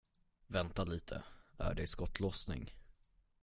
Vänta lite, är det skottlossning?